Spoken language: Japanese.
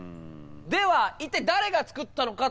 では一体誰が作ったのかっていうのが。